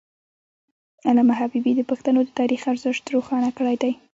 علامه حبيبي د پښتنو د تاریخ ارزښت روښانه کړی دی.